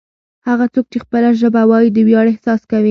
هغه څوک چې خپله ژبه وايي د ویاړ احساس کوي.